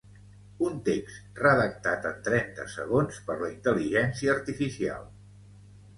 Un text redactat en trenta segons per la intel·ligència artificial